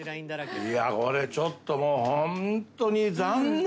これちょっともうホントに。